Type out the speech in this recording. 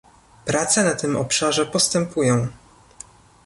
prace na tym obszarze postępują